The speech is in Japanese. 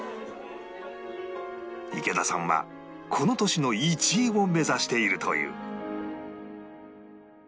池田さんはこの年の１位を目指しているという